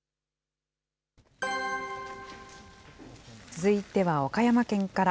続いては岡山県から。